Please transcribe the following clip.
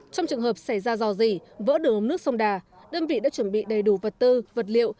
trong trường hợp xảy ra dò dỉ vỡ đường ống nước sông đà đơn vị đã chuẩn bị đầy đủ vật tư vật liệu